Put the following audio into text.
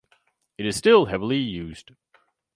It is still heavily used.